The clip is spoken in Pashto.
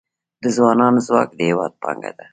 د ځوانانو ځواک د هیواد پانګه ده